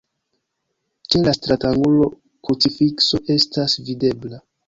Ĉe la stratangulo krucifikso estas videbla.